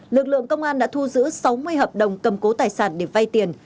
lực lượng công an đã thu giữ sáu mươi hợp đồng cầm cố tài sản để vay tiền